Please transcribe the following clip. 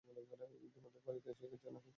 ইতিমধ্যেই বাড়িতে এসে গেছ নাকি?